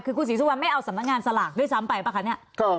คือคุณศรีสุวรรณไม่เอาสำนักงานสลากด้วยซ้ำไปป่ะคะเนี่ย